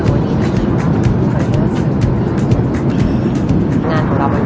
ขอบคุณมากนะคะขอบคุณมาก